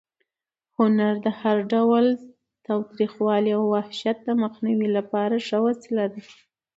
هنر د هر ډول تاوتریخوالي او وحشت د مخنیوي لپاره ښه وسله ده.